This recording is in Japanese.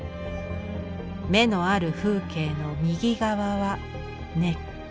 「眼のある風景の右側は根っ子」。